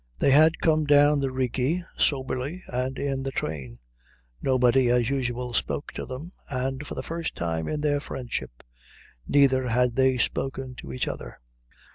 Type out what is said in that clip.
They had come down the Rigi soberly and in the train. Nobody, as usual, spoke to them, and for the first time in their friendship neither had they spoken to each other.